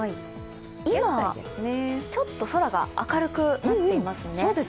今、ちょっと空が明るくなっていますね。